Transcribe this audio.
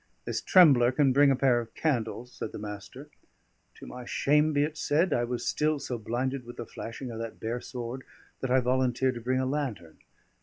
"This trembler can bring a pair of candles," said the Master. To my shame be it said, I was still so blinded with the flashing of that bare sword that I volunteered to bring a lantern.